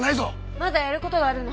まだやる事があるの。